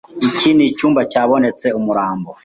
Iki nicyumba cyabonetse umurambo.